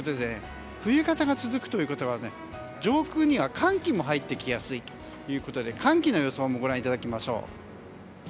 冬型が続くということは上空には寒気も入ってきやすいということで寒気の様子もご覧いただきましょう。